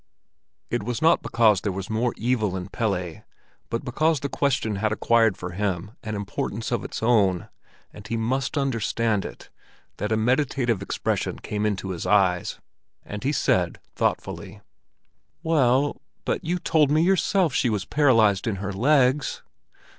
It was not because there was more evil in Pelle, but because the question had acquired for him an importance of its own, and he must understand it, that a meditative expression came into his eyes, and he said thoughtfully: "Well, but you've told me yourself that she was paralyzed in her legs!"